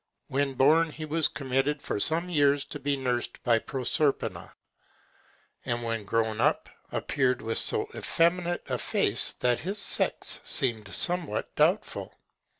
When born, he was committed, for some years, to be nursed by Proserpina; and when grown up, appeared with so effeminate a face, that his sex seemed somewhat doubtful.